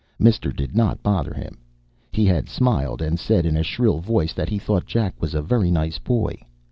Mister did not bother him. He had smiled and said in a shrill voice that he thought Jack was a very nice boy.